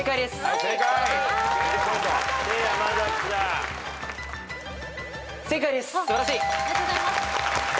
ありがとうございます。